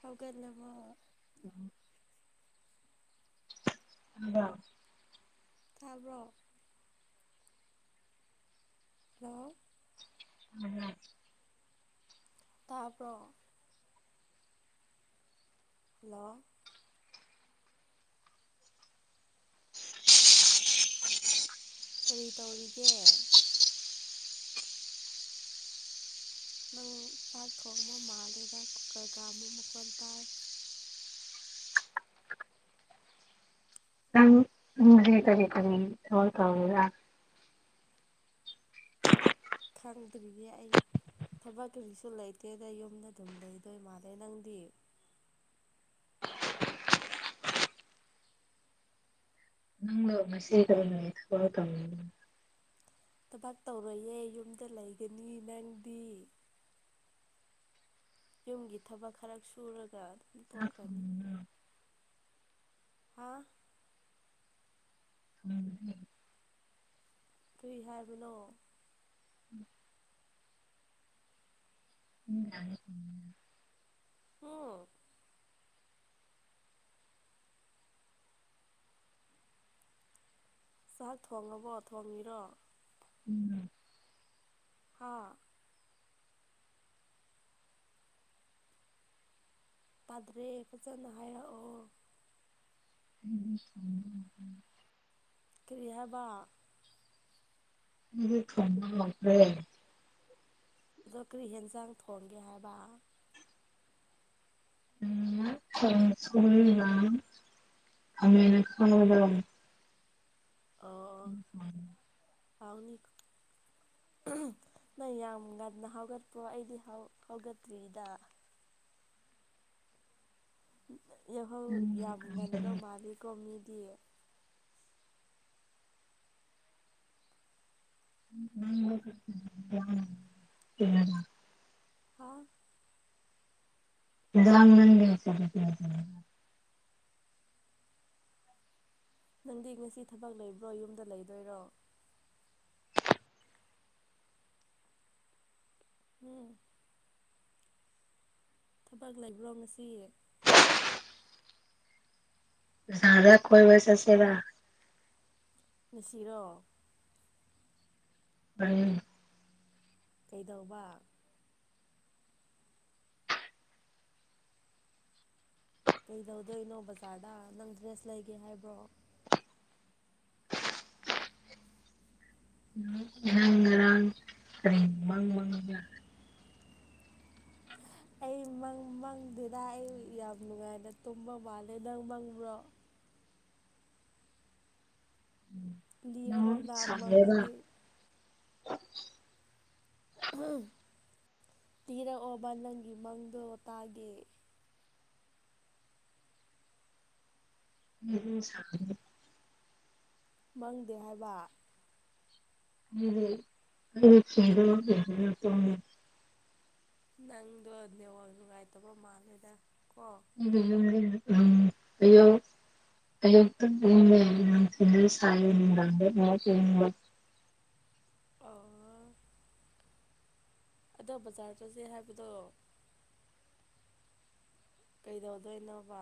ꯍꯧꯒꯠꯂꯕꯣ ꯎꯝ [inaudible] ꯇꯥꯕ꯭ꯔꯣ ꯍꯜꯂꯣ ꯎꯝ [inaudible] ꯇꯥꯕ꯭ꯔꯣ ꯍꯜꯂꯣ ꯀꯔꯤ ꯇꯧꯔꯤꯒꯦ ꯅꯪ ꯆꯥꯛ ꯊꯣꯡꯕ ꯃꯥꯜꯂꯦꯗ ꯀꯨꯀꯥꯔ ꯀꯥꯝꯕ ꯃꯈꯣꯟ ꯇꯥꯏ ꯅꯪ ꯌꯨꯝꯒꯤ ꯀꯔꯤ ꯀꯔꯤ ꯊꯕꯛ ꯇꯧꯔꯤꯔꯥ ꯈꯪꯗ꯭ꯔꯤꯌꯦ ꯑꯩ ꯊꯕꯛ ꯀꯔꯤꯁꯨ ꯂꯩꯇꯦꯗ ꯌꯨꯝꯗ ꯑꯗꯨꯝ ꯂꯩꯗꯣꯏ ꯃꯥꯜꯂꯦ ꯅꯪꯗꯤ [unintelligible] [unintelligible] [unintelligible] ꯊꯕꯛ ꯇꯧꯔꯣꯏꯌꯦ ꯌꯨꯝꯗ ꯂꯩꯒꯅꯤ ꯅꯪꯗꯤ ꯌꯨꯝꯒꯤ ꯊꯕꯛ ꯈꯔ ꯁꯨꯔꯒ ꯑꯗꯨꯝ ꯆꯥꯛ ꯇꯣꯛꯈ꯭ꯔꯅꯤ ꯊꯣꯡꯉꯤꯔꯣ ꯍꯥꯥ ꯎꯝ [unintelligible] ꯀꯔꯤ ꯍꯥꯏꯕꯅꯣ ꯎꯝ [inaudible] [inaudible] ꯍꯨꯝ ꯆꯥꯛ ꯊꯣꯡꯉꯕꯣ ꯊꯣꯡꯉꯤꯔꯣ [inaudible] ꯍꯥꯥ ꯇꯥꯗ꯭ꯔꯦ ꯐꯖꯟꯅ ꯍꯥꯏꯔꯛꯑꯣ ꯎꯝ ꯀꯔꯤ ꯍꯥꯏꯕ ꯍꯧꯖꯤꯛ ꯊꯣꯡꯕ ꯂꯣꯏꯈ꯭ꯔꯦ ꯑꯗꯣ ꯀꯔꯤ ꯌꯦꯟꯖꯥꯡ ꯊꯣꯡꯒꯦ ꯍꯥꯏꯕ [unintelligible] ꯑꯣ ꯏꯟꯖꯥꯡ ꯍꯥꯎꯅꯤ ꯅꯣꯏ ꯌꯥꯝ ꯉꯟꯅ ꯍꯧꯒꯠꯄ꯭ꯔꯣ ꯑꯩꯗꯤ ꯍꯧꯒꯠꯇ꯭ꯔꯤꯗ ꯌꯥꯍꯧ ꯌꯥꯝ ꯉꯟꯕ ꯃꯥꯜꯂꯤꯀꯣ ꯃꯤꯗꯤ ꯎ ꯍꯥ [unintelligible] ꯅꯪꯗꯤ ꯉꯁꯤ ꯊꯕꯛ ꯂꯩꯕ꯭ꯔꯣ ꯌꯨꯝꯗ ꯂꯩꯗꯣꯏꯔꯣ ꯍꯝ ꯊꯕꯛ ꯂꯩꯕ꯭ꯔꯣ ꯉꯁꯤ ꯁꯥꯔ ꯗ ꯀꯣꯏꯕ ꯆꯠꯁꯦꯕ ꯉꯁꯤꯔꯣ ꯎꯝ ꯀꯩꯗꯧꯕ ꯀꯩꯗꯧꯗꯣꯏꯅꯣ ꯕꯖꯥꯔꯗ ꯅꯪ ꯗ꯭ꯔꯦꯁ ꯂꯩꯒꯦ ꯍꯥꯏꯕ꯭ꯔꯣ ꯅꯪ ꯉꯔꯥꯡ ꯀꯩ [unintelligible] ꯑꯩ ꯃꯪ ꯃꯪꯗꯦꯗ ꯑꯩ ꯌꯥꯝ ꯅꯨꯡꯉꯥꯏꯅ ꯇꯨꯝꯕ ꯃꯥꯜꯂꯦ ꯅꯪ ꯃꯪꯕ꯭ꯔꯣ ꯂꯌꯥ ꯅꯪ ꯑꯣꯔꯗꯥꯕ ꯁꯥꯏꯌꯦꯕ ꯃꯒꯗꯤ ꯇꯤꯔꯛꯑꯣꯕ ꯅꯪꯒꯤ ꯃꯪꯗꯣ ꯇꯥꯒꯦ ꯎꯝ ꯁ ꯃꯪꯗꯦ ꯍꯥꯏꯕ [unintelligible] ꯅꯪꯗꯣ ꯅꯤꯋꯥꯛ ꯅꯨꯡꯉꯥꯏꯇꯕ ꯃꯥꯜꯂꯦꯗ ꯀꯣ ꯎꯝ ꯑꯩ [unintelligible] [unintelligible] ꯑꯧ ꯑꯗꯣ ꯕꯖꯥꯔ ꯆꯠꯁꯦ ꯍꯥꯏꯕꯗꯣ ꯀꯩꯗꯧꯗꯣꯏꯅꯣꯕ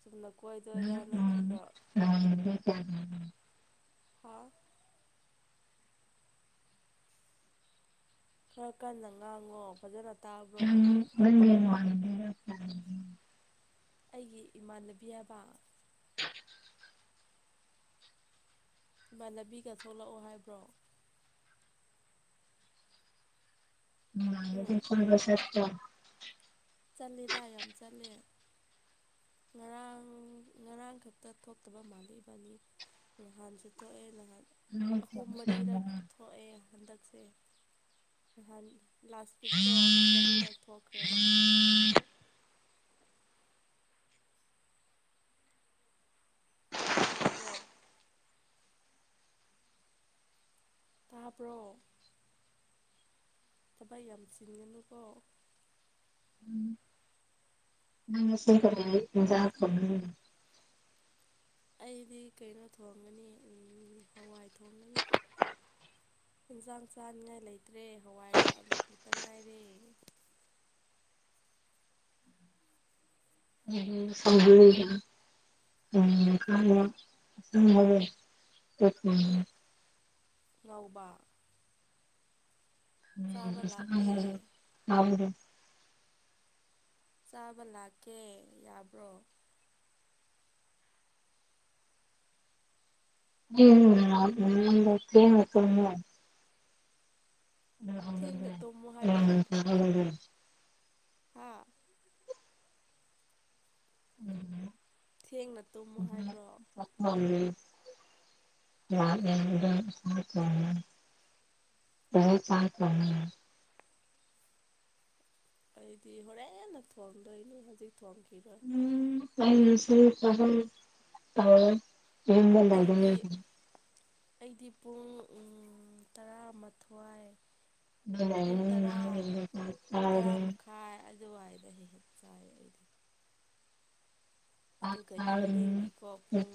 ꯆꯨꯝꯅ ꯀꯣꯏꯗꯣꯏꯔꯥ ꯅꯪ ꯎꯝ ꯅꯠꯇ꯭ꯔꯒ ꯅꯃꯥꯟꯅꯕꯤ ꯀꯌꯥ ꯂꯩꯒꯦ ꯍꯥ ꯈꯔ ꯀꯟꯅ ꯉꯥꯡꯉꯣ ꯐꯖꯅ ꯇꯥꯕ꯭ꯔꯣ ꯅꯪ ꯌꯦꯡꯉꯣ ꯍꯥꯏꯕꯅꯤ ꯑꯩꯒꯤ ꯏꯃꯥꯟꯅꯕꯤ ꯍꯥꯏꯕ ꯏꯃꯥꯟꯅꯕꯤꯒ ꯊꯣꯛꯂꯛꯑꯣ ꯍꯥꯏꯕ꯭ꯔꯣ ꯎꯝ [unintelligible] ꯁꯦꯇ꯭ꯔꯥ ꯆꯠꯂꯦꯗ ꯌꯥꯝ ꯆꯠꯂꯦ ꯉꯔꯥꯡ ꯉꯔꯥꯡ ꯈꯛꯇ ꯊꯣꯛꯇꯕ ꯃꯥꯂꯦ ꯏꯕꯅꯤ ꯅꯍꯥꯟꯁꯨ ꯊꯣꯛꯑꯦ ꯅꯍꯥꯟ ꯅꯪ ꯑꯍꯨꯝ ꯃꯔꯤꯔꯛ ꯊꯣꯛꯑꯦ ꯍꯟꯗꯛꯁꯦ ꯅꯍꯥꯟ ꯂꯥꯁ ꯋꯤꯛꯇꯣ ꯑꯍꯨꯝ ꯃꯔꯤꯔꯛ ꯊꯣꯛꯈ꯭ꯔꯦꯕ ꯇꯥꯕ꯭ꯔꯣ ꯇꯥꯕ꯭ꯔꯣ ꯊꯕꯩ ꯌꯥꯝ ꯆꯤꯟꯒꯅꯨꯀꯣ ꯅꯪ [unintelligible] ꯑꯩꯗꯤ ꯀꯩꯅꯣ ꯊꯣꯡꯒꯅꯤ ꯎꯝ ꯍꯋꯥꯏ ꯊꯣꯡꯒꯅꯤ ꯍꯦꯟꯖꯥꯡ ꯆꯥꯅꯤꯡꯉꯥꯏ ꯂꯩꯇ꯭ꯔꯦ ꯍꯋꯥꯏꯒ ꯑꯥꯂꯨ ꯈꯛꯇ ꯉꯥꯏꯔꯦ [unintelligible] ꯎꯝ [unintelligible] ꯉꯧꯕ ꯆꯥꯕ ꯂꯥꯛꯀꯦ ꯎꯝ [unintelligible] ꯆꯥꯕ ꯂꯥꯛꯀꯦ ꯌꯥꯕ꯭ꯔꯣ [unintelligible] ꯊꯦꯡꯅ ꯇꯨꯝꯃꯣ ꯊꯦꯡꯅ ꯇꯨꯝꯃꯨ ꯍꯥꯏꯕ [unintelligible] ꯍꯥꯥ ꯊꯦꯡꯅ ꯇꯨꯝꯃꯨ ꯍꯥꯏꯕ꯭ꯔꯣ [unintelligible] [unintelligible] ꯗꯥꯏꯔꯦꯛ ꯆꯥꯛ ꯊꯣꯡꯉꯦ ꯑꯩꯗꯤ ꯍꯣꯔꯦꯟꯅ ꯊꯣꯡꯗꯣꯏꯅꯤ ꯍꯧꯖꯤꯛ ꯊꯣꯡꯈꯤꯔꯣꯏ ꯎꯝ ꯅꯪꯒꯤꯁꯨ [unintelligible] ꯇꯧꯋꯦ ꯑꯩꯗꯤ ꯑꯩꯗꯤ ꯄꯨꯡ ꯎꯝ ꯇꯔꯥꯃꯊ꯭ꯋꯥꯏ ꯁꯤꯗ ꯂꯩꯒꯅꯤ [unintelligible] ꯍꯥꯏ ꯑꯗꯨꯋꯥꯏꯗ ꯍꯦꯛ ꯍꯦꯛ ꯆꯥꯏ ꯑꯩꯗꯤ ꯑꯗꯨꯒ ꯏꯚꯤꯅꯤꯡꯒꯤꯀꯣ ꯄꯨꯡ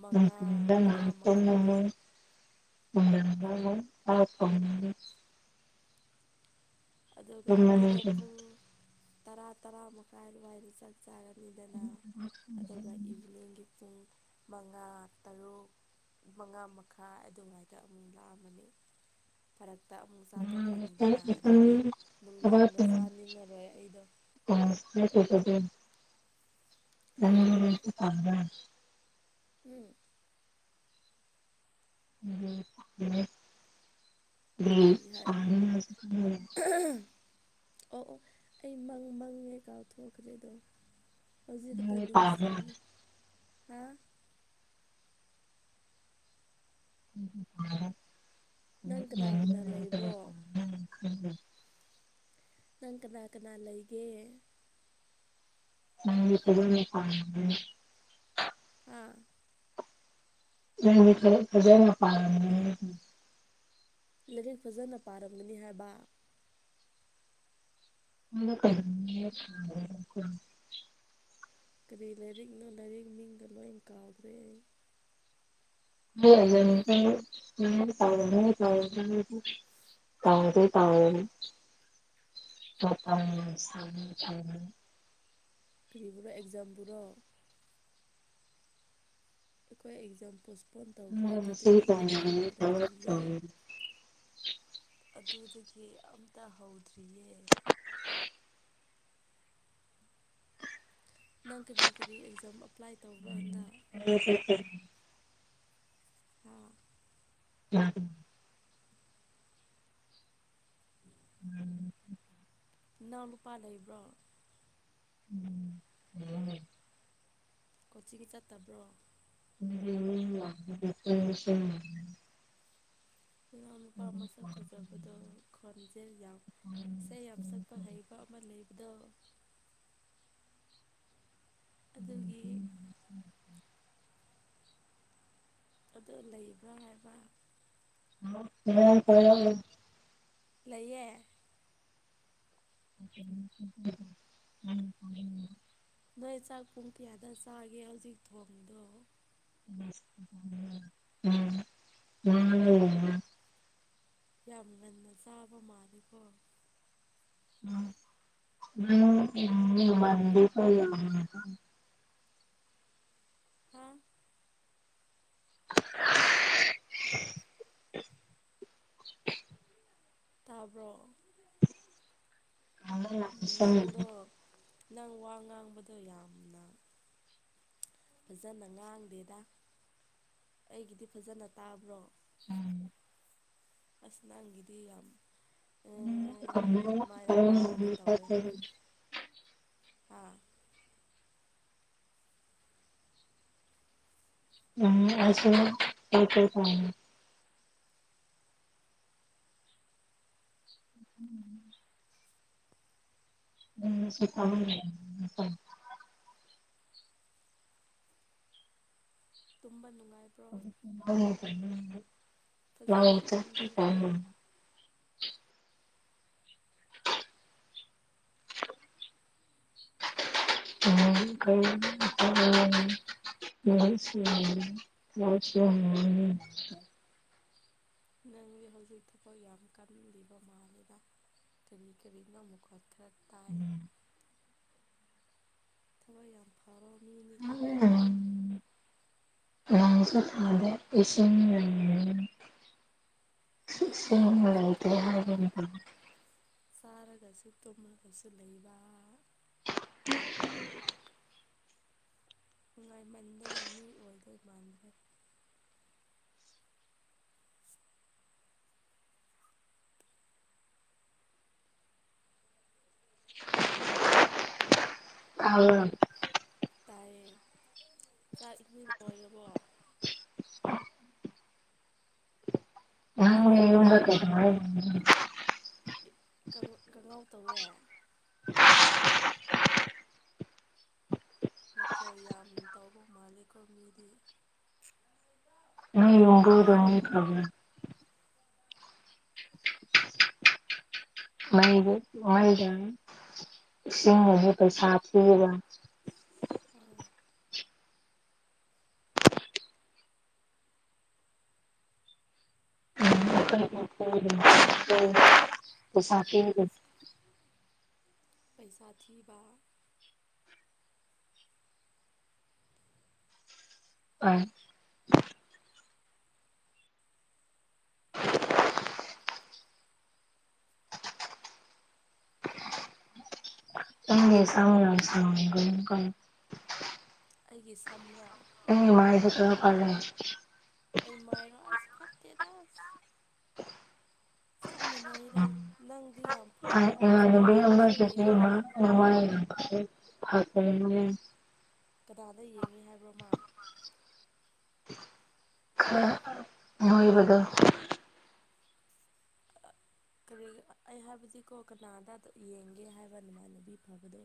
ꯃꯉꯥ ꯃꯉꯥ ꯃꯈꯥꯏ [inaudible] [unintelligible] ꯑꯗꯨꯒ ꯑꯩꯗꯣ ꯄꯨꯡ ꯇꯔꯥ ꯇꯔꯥ ꯃꯈꯥꯏ ꯑꯗꯨꯋꯥꯏꯗ ꯆꯠ ꯆꯥꯔꯅꯤꯗꯅ ꯑꯗꯨꯒ ꯏꯚꯤꯅꯤꯡꯒꯤ ꯄꯨꯡ ꯃꯉꯥ ꯇꯔꯨꯛ ꯃꯉꯥ ꯃꯈꯥꯏ ꯑꯗꯨꯋꯥꯏꯗ ꯑꯃꯨꯛ ꯂꯥꯛꯑꯃꯅꯤ ꯐꯔꯛꯇ ꯑꯃꯨꯛ ꯆꯥꯊꯣꯛꯈ꯭ꯔꯅꯤꯗꯅ ꯑꯗꯨꯗꯤ ꯅꯨꯡꯗꯥꯡꯗ ꯆꯥꯅꯤꯡꯉꯔꯣꯏ ꯑꯩꯗꯣ ꯎꯝ ꯅꯪ ꯍꯥ ꯀꯩꯗꯧꯒꯦ [unintelligible] ꯎꯝ ꯀꯔꯤ ꯍꯥꯏ [unintelligible] ꯑꯣ ꯑꯣ ꯑꯩ ꯃꯪ ꯃꯪꯉꯦ ꯀꯥꯎꯊꯣꯛꯈ꯭ꯔꯦꯗꯣ ꯍꯧꯖꯤꯛ ꯈꯛꯇ ꯅꯤꯡꯁꯤꯡꯉꯦ ꯍꯥ [unintelligible] ꯅꯪ ꯀꯅꯥ ꯀꯅꯥ ꯂꯩꯕ꯭ꯔꯣ [unintelligible] ꯅꯪ ꯀꯅꯥ ꯀꯅꯥ ꯂꯩꯒꯦ [unintelligible] ꯍꯥꯥ ꯅꯪꯗꯤ ꯈꯔ ꯐꯖꯅ ꯄꯥꯔꯝꯒꯅꯤ ꯂꯥꯏꯔꯤꯛ ꯐꯖꯅ ꯄꯥꯔꯝꯒꯅꯤ ꯍꯥꯏꯕ [unintelligible] ꯀꯔꯤ ꯂꯥꯏꯔꯤꯛꯅꯣ ꯂꯥꯏꯔꯤꯛ ꯃꯤꯡꯒ ꯂꯣꯏꯟ ꯀꯥꯎꯈ꯭ꯔꯦ ꯑꯩ [unintelligible] ꯇꯥꯎꯔꯅꯤ [unintelligible] ꯀꯔꯤꯕꯨꯔ ꯑꯦꯛꯖꯥꯝ ꯕꯨꯔꯣ ꯑꯩꯈꯣꯏ ꯑꯦꯛꯖꯥꯝ ꯄꯣꯁꯄꯣꯟ ꯇꯧꯈ꯭ꯔꯦ ꯉꯁꯤ ꯑꯗꯨꯗꯒꯤ ꯑꯝꯇ ꯇꯧꯒꯅꯤ ꯊꯕꯛ ꯍꯥꯏꯔꯛꯇ꯭ꯔꯤꯌꯦ ꯇꯧꯒꯅꯤ ꯑꯗꯨꯗꯒꯤ ꯑꯝꯇ ꯍꯧꯗ꯭ꯔꯤꯌꯦ ꯅꯪ ꯀꯔꯤ ꯀꯔꯤ ꯑꯦꯛꯖꯥꯝ ꯑꯦꯄ꯭ꯂꯥꯏ ꯇꯧꯕ꯭ꯔꯣ ꯍꯟꯗꯛ ꯑꯦ ꯃꯦ ꯁꯤ ꯒꯤ ꯍꯥꯥ ꯅꯥꯒꯅꯨ ꯎꯝ ꯏꯅꯥꯎ ꯂꯨꯄꯥ ꯂꯩꯕ꯭ꯔꯣ ꯎꯝ ꯂꯩꯌꯦ ꯂꯩꯌꯦ ꯀꯣꯆꯤꯡ ꯆꯠꯇꯕ꯭ꯔꯣ ꯕꯤꯖꯦꯅꯤ ꯂꯥꯛꯄꯁꯦ ꯁꯦꯝꯖꯨ ꯁꯦꯝꯅ ꯏꯅꯥꯎ ꯅꯨꯄꯥ ꯃꯁꯛ ꯐꯖꯕꯗꯣ ꯈꯣꯟꯖꯦ ꯌꯥꯝ ꯏꯁꯩ ꯌꯥꯝ ꯁꯛꯄ ꯍꯩꯕ ꯃ ꯂꯩꯕꯗꯣ ꯑꯗꯨꯒꯤ ꯑꯗꯨ ꯂꯩꯕ꯭ꯔꯥ ꯍꯥꯏꯕ ꯍꯜꯂꯣ ꯏꯅꯥꯎ ꯅꯨꯄꯥꯔꯣ ꯂꯩꯌꯦ [unintelligible] ꯅꯣꯏ ꯆꯥꯛ ꯄꯨꯡ ꯀꯌꯥꯗ ꯆꯥꯒꯦ ꯍꯧꯖꯤꯛ ꯊꯣꯡꯉꯤꯗꯣ [unintelligible] ꯌꯥꯝ ꯉꯟꯅ ꯆꯥꯕ ꯃꯥꯂꯦꯀꯣ [unintelligible] ꯃꯟꯗꯦꯀꯣ ꯌꯥꯝꯅꯀꯣ ꯍꯥꯥ [unintelligible] ꯇꯥꯕ꯭ꯔꯣ ꯅꯣꯡꯁꯨ ꯅꯪꯗꯣ ꯅꯪ ꯋꯥ ꯉꯥꯡꯕꯗꯣ ꯌꯥꯝꯅ ꯐꯖꯅ ꯉꯥꯡꯗꯦꯗ ꯑꯩꯒꯤꯗꯤ ꯐꯖꯅ ꯇꯥꯕ꯭ꯔꯣ ꯎꯝ ꯑꯁ ꯅꯪꯒꯤꯗꯤ ꯌꯥꯝ [unintelligible] ꯑꯗꯨꯃꯥꯏꯅ ꯃꯥꯡꯒꯦ ꯇꯧꯋꯦ ꯍꯥꯥ ꯎꯝ ꯑꯩꯁꯨ ꯌꯨꯝ ꯀꯩꯪꯀꯩ ꯄꯥꯜꯂꯦ ꯎꯝ [unintelligible] ꯇꯨꯝꯕ ꯅꯨꯡꯉꯥꯏ [unintelligible] ꯐꯖꯅ ꯂꯥꯡꯇꯀꯤ ꯄꯥꯡ ꯇꯨꯝꯕꯤꯕ꯭ꯔꯣ [unintelligible] [unintelligible] ꯅꯪꯗꯤ ꯍꯧꯖꯤꯛ ꯊꯕꯛ ꯌꯥꯝ ꯀꯜꯂꯤꯕ ꯃꯥꯜꯂꯦꯗ ꯀꯔꯤ ꯀꯔꯤꯅꯣ ꯑꯃꯨꯛꯀ ꯈꯔ ꯇꯥꯏ ꯊꯕꯛ ꯌꯥꯝ ꯐꯕ ꯃꯤꯅꯤꯀꯣ ꯅꯪꯗꯤ ꯅꯪꯁꯨ ꯐꯔꯦ ꯏꯁꯤꯡ [unintelligible] ꯑꯩꯈꯣꯏꯗꯤ ꯏꯁꯤꯡ ꯌꯥꯍꯧꯁꯨ ꯂꯩꯇ꯭ꯔꯦ ꯊꯦꯡꯕ ꯍꯥꯏꯕꯅꯤꯕ ꯆꯥꯔꯒꯁꯨ ꯇꯨꯝꯂꯒꯁꯨ ꯂꯩꯕ [unintelligible] ꯅꯨꯡꯉꯥꯏꯃꯟꯗꯅ ꯃꯤ ꯑꯣꯏꯗꯣꯏ ꯃꯥꯟꯗ꯭ꯔꯦ [inaudible] ꯇꯥꯕ꯭ꯔꯣ ꯇꯥꯏꯌꯦ ꯆꯥꯛ ꯏꯁꯤꯡ ꯂꯣꯢꯔꯕꯣ ꯆꯥꯛ ꯂꯣꯏꯔꯕꯣ [unintelligible] ꯀꯪ ꯀꯪꯉꯧ ꯇꯧꯋꯦ ꯃꯊꯦꯜ ꯌꯥꯝ ꯇꯧꯕ ꯃꯥꯜꯂꯤꯀꯣ ꯃꯤꯗꯤ ꯍꯥꯎꯔꯅꯤꯀꯣ [unintelligible] [unintelligible] ꯏꯁꯤꯡ ꯑꯃꯨꯛ ꯄꯩꯁꯥ ꯊꯤꯔꯒ ꯎꯝ ꯎꯝ [unintelligible] ꯄꯩꯁꯥ ꯄꯤꯔꯣꯏ ꯄꯩꯁꯥ ꯊꯤꯕ ꯑꯥꯏ ꯅꯪꯒꯤ ꯁꯝ ꯌꯥꯝ ꯁꯥꯡꯉꯝꯒꯅꯤꯀꯣ ꯑꯩꯒꯤ ꯁꯝꯔꯣ ꯃꯥꯏꯖꯦ ꯈꯔꯥ ꯐꯔꯦ ꯑꯩ ꯃꯥꯏꯔꯣ ꯑꯁ ꯐꯠꯇꯦꯗ ꯆꯞ ꯃꯥꯟꯅꯩꯗ ꯎꯝ ꯅꯪꯗꯤ ꯌꯥꯝ ꯐꯔꯦꯀꯣ ꯑꯁ ꯅꯪꯗꯤ ꯏꯃꯥꯟꯅꯕꯤ ꯀꯔꯤꯁꯨ ꯑꯃꯗꯨꯁꯨ ꯂꯩꯇ꯭ꯔꯦꯗ [unintelligible] ꯀꯗꯥꯗ ꯌꯦꯡꯉꯤ ꯍꯥꯏꯕ꯭ꯔꯣ ꯃꯥ ꯈꯔ ꯅꯣꯏꯕꯗꯣ ꯀꯔꯤ ꯑꯩ ꯍꯥꯏꯕꯗꯤꯀꯣ ꯀꯅꯥꯗ ꯀꯔꯤ ꯌꯦꯡꯒꯦ ꯍꯥꯏꯕ ꯅꯃꯥꯟꯅꯕꯤ ꯐꯕꯗꯣ